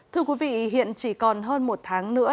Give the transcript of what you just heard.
thưa quý vị hiện chỉ còn hơn một tháng nữa